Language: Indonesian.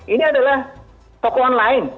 ini adalah toko online